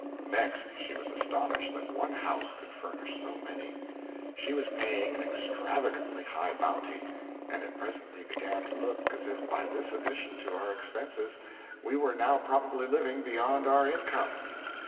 Next, she was astonished that one house could furnish so many. She was paying an extravagantly high bounty, and it presently began to look as if by this addition to our expenses we were now probably living beyond our income.